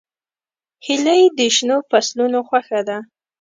هیلۍ د شنو فصلونو خوښه ده